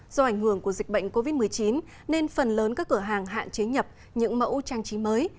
do ảnh hưởng của dịch bệnh covid một mươi chín nên phần lớn các cửa hàng hạn chế nhập những mẫu trang trí mới